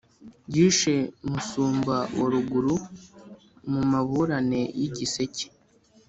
yishe Musumba wa Ruguru Mu maburane ya Giseke,